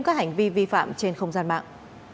các hành vi vi phạm trên không gian mạng